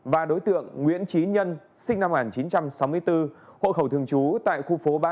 và đối tượng nguyễn trí nhân sinh năm một nghìn chín trăm sáu mươi bốn hộ khẩu thường trú tại khu phố ba